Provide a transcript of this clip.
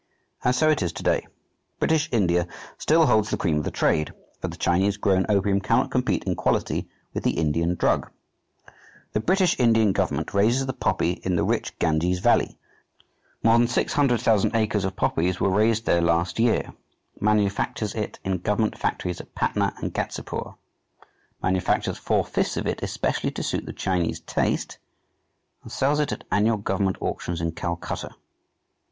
And so it is to day. British India still holds the cream of the trade, for the Chinese grown opium cannot compete in quality with the Indian drug. The British Indian government raises the poppy in the rich Ganges Valley (more than six hundred thousand acres of poppies they raised there last year), manufactures it in government factories at Patna and Ghazipur manufactures four fifths of it especially to suit the Chinese taste, and sells it at annual government auctions in Calcutta.